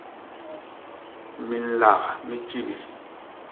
Minlak mi tjibi.